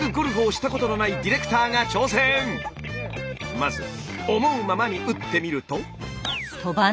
まず思うままに打ってみると。